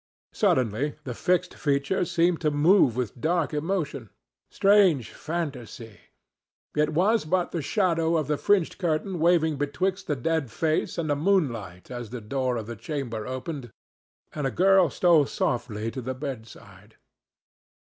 Suddenly the fixed features seemed to move with dark emotion. Strange fantasy! It was but the shadow of the fringed curtain waving betwixt the dead face and the moonlight as the door of the chamber opened and a girl stole softly to the bedside.